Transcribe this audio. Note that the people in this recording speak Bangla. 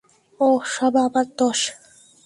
ওহ, সব আমার দোষ।